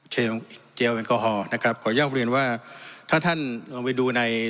เจลแอลกอฮอลนะครับขออนุญาตเรียนว่าถ้าท่านลงไปดูใน